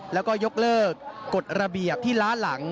แล้วก็ยกเลิกกฎระเบียบที่ล้าหลัง